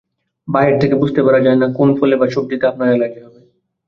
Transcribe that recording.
বাহির থেকে বুঝতে পারা যায় না যে কোন ফলে বা সবজিতে আপনার অ্যালার্জি হবে।